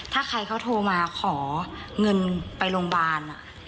ถ้าใครเขาโทรมาขอเงินไปโรงพยาบาล